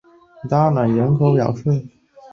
特讷伊人口变化图示